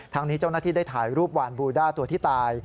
นี้เจ้าหน้าที่ได้ถ่ายรูปวานบูด้าตัวที่ตาย